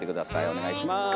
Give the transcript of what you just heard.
お願いします。